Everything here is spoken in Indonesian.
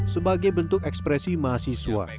sebagai bentuk ekspresi mahasiswa